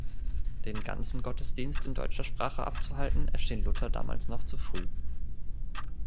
Den ganzen Gottesdienst in deutscher Sprache abzuhalten, erschien Luther damals noch zu früh.